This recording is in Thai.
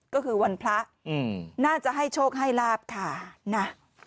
ก็คือวันพระน่าจะให้โชคให้ลาบค่ะนะ